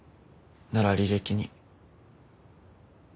なら履歴に。